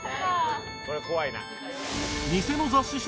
「これ怖いな」